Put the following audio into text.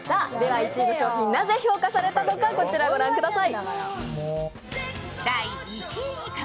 １位の商品なぜ評価されたのかこちら御覧ください。